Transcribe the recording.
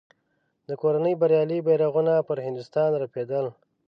د کورنۍ بریالي بیرغونه پر هندوستان رپېدل.